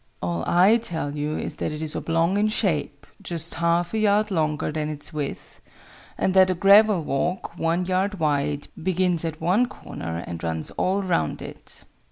"All I tell you is that it is oblong in shape just half a yard longer than its width and that a gravel walk, one yard wide, begins at one corner and runs all round it."